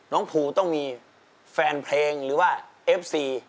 ภูต้องมีแฟนเพลงหรือว่าเอฟซี